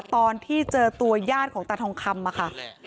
ตอนที่เจอตัวญาติของตาทองคำมาค่ะ